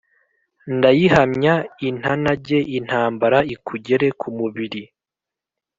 ndayihamya intanage intambara ikugere ku mubili.